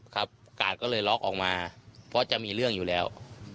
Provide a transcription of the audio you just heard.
กาดก็เลยล็อกออกมาเพราะจะมีเรื่องอยู่แล้ว